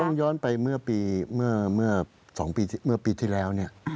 ต้องย้อนไปเมื่อปีเมื่อสองปีเมื่อปีที่แล้ว